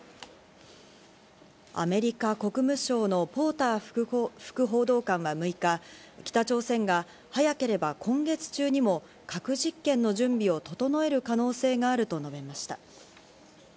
アメリカ国務省のポーター副報道官は６日、北朝鮮が早ければ今月中にも核実験の準備を整える可能性があると述べました。